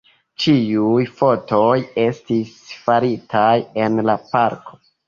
Ĉiuj fotoj estis faritaj en la parko.